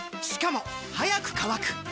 しかも速く乾く！